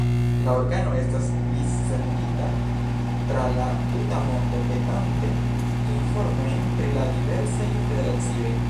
La organo estas dissendita tra la tuta mondo petante informojn pri la diversaj federacioj.